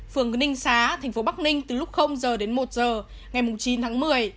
phường ninh xá thành phố bắc ninh từ lúc giờ đến một h ngày chín tháng một mươi